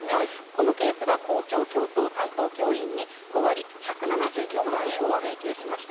このケースは校長、教頭、担当教員に５割、１７４万円を請求しました。